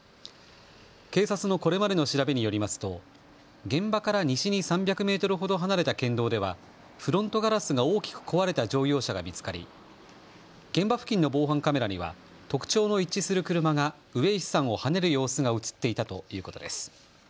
警察のこれまでの調べによりますと現場から西に３００メートルほど離れた県道ではフロントガラスが大きく壊れた乗用車が見つかり現場付近の防犯カメラには特徴の一致する車が上石さんをはねる様子が映っていたということです。